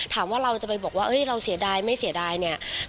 ถามว่าเราจะไปบอกว่าเราเสียดายไม่เสียดายเนี่ย